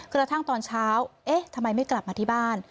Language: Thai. กระทั่งตอนเช้าเอ๊ะทำไมไม่กลับมาที่บ้าน